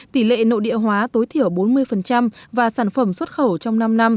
tỷ lệ nội địa hóa tối thiểu bốn mươi và sản phẩm xuất khẩu trong năm năm